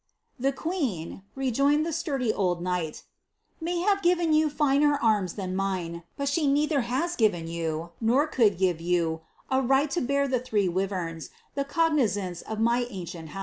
" The queen," rejoined the sturdy old knight, ^ may have given you finer arms than mine, but she neither has given you, nor could give you, a right to bear the three wiverns, the cognizance of my ancient house."